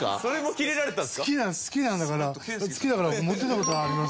好きなんだから好きだから持って行った事はあります。